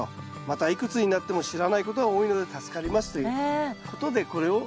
またいくつになっても知らないことが多いので助かりますということでこれを。